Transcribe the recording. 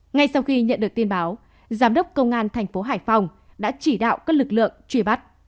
ngay sau khi nhận được tin báo giám đốc công an thành phố hải phòng đã chỉ đạo các lực lượng truy bắt